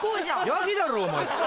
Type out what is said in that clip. ヤギだろお前。